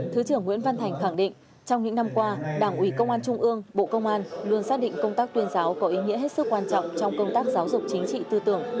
thứ trưởng nguyễn văn thành khẳng định trong những năm qua đảng ủy công an trung ương bộ công an luôn xác định công tác tuyên giáo có ý nghĩa hết sức quan trọng trong công tác giáo dục chính trị tư tưởng